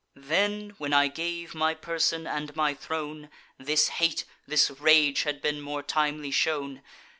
Then, when I gave my person and my throne, This hate, this rage, had been more timely shown.